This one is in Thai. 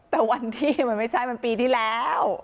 แต่วันที่มันไม่ใช่มันปีที่แล้ว